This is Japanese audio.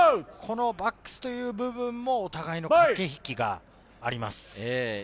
バックスという部分もお互いの駆け引きがあります。